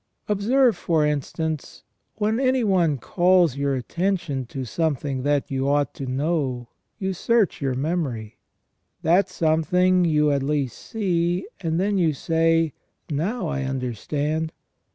Observe, for instance, when any one calls your attention to something that you ought to know, you search your memory, that something you at last see, and then you say : Now I understand.